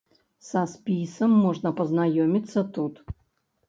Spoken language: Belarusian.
Са спісам можна пазнаёміцца тут.